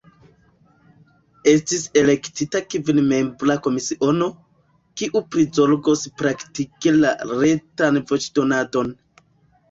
Estis elektita kvinmembra komisiono, kiu prizorgos praktike la retan voĉdonadon.